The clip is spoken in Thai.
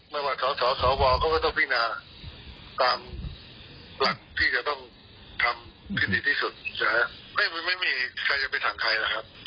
เขาใจว่าคนเข้าใจผมผิด